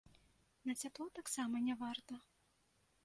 На цяпло таксама не варта.